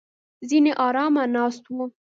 ځینې ارامه ناست وو.